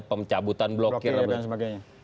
pemcabutan blokir dan sebagainya